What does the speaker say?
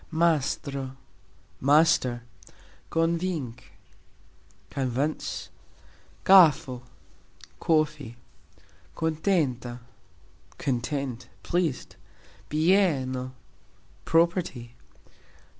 mastro : master. konvink : convince. kafo : coffee. kontenta : content, pleased. bieno : property.